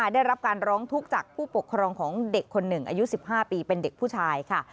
ได้รับการร้องทุกข์จากผู้ปกครองของเด็กคนหนึ่งอายุ๑๕ปีเป็นเด็กผู้ชายค่ะ